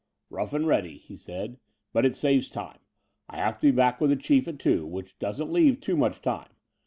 "Rough and ready," he said, "but it saves time. I have to be back with the Chief at two, which doesn't leave too much time.